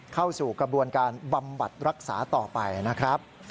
เข้าสู่กระบวนการบำบัดรักษาต่อไปนะครับ